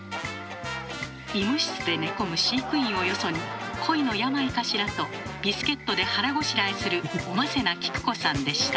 医務室で寝込む飼育員をよそに恋の病かしらとビスケットで腹ごしらえするおませなキク子さんでした。